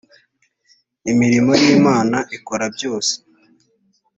imirimo y imana ikora byose